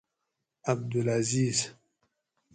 عبدالعزیز